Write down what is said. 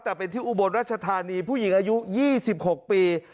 แต่เป็นที่อุบลรัชธานีผู้หญิงอายุ๒๖ปี